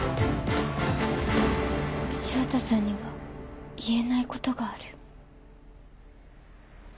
翔太さんには言えない事がある？